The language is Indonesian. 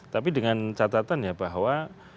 tapi dengan catatan ya bahwa